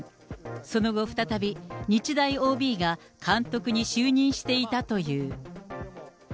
その後再び、日大ＯＢが監督に就任していたという。